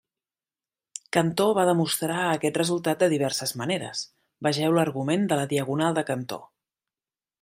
Cantor va demostrar aquest resultat de diverses maneres; vegeu l'argument de la diagonal de Cantor.